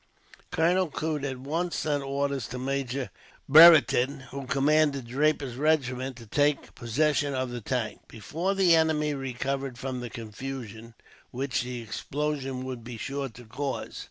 Colonel Coote at once sent orders to Major Brereton, who commanded Draper's regiment, to take possession of the tank, before the enemy recovered from the confusion which the explosion would be sure to cause.